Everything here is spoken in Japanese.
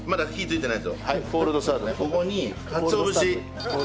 ここにかつお節。